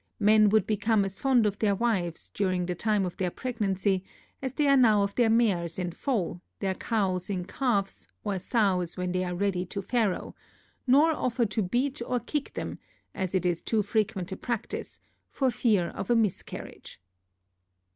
Men would become as fond of their wives, during the time of their pregnancy, as they are now of their mares in foal, their cows in calf, or sows when they are ready to farrow; nor offer to beat or kick them (as is too frequent a practice) for fear of a miscarriage.